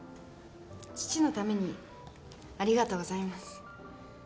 父のためにありがとうございます。